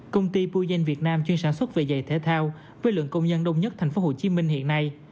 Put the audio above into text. công ty bưujen việt nam chuyên sản xuất về dạy thể thao với lượng công nhân đông nhất tp hcm hiện nay